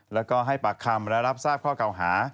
แล้วก็ให้ปากคำและรับทราบข้อเก่าหา